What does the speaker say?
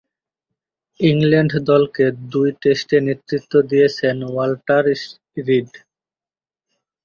England দলকে দুই টেস্টে নেতৃত্ব দিয়েছেন ওয়াল্টার রিড।